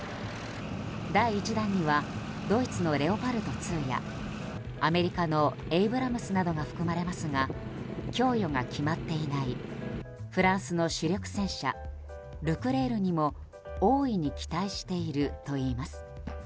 第１弾にはドイツのレオパルト２やアメリカのエイブラムスなどが含まれますが供与が決まっていないフランスの主力戦車ルクレールにも大いに期待しているといいます。